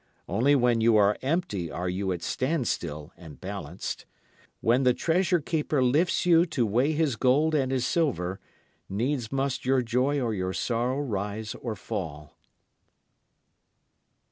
Only when you are empty are you at standstill and balanced. When the treasure keeper lifts you to weigh his gold and his silver, needs must your joy or your sorrow rise or fall.